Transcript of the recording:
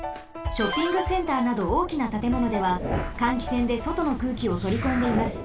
ショッピングセンターなどおおきなたてものでは換気扇でそとの空気をとりこんでいます。